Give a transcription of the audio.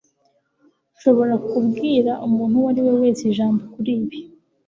Ntushobora kubwira umuntu uwo ari we wese ijambo kuri ibi.